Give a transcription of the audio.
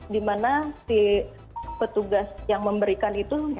dimana si petugas yang memberikan itu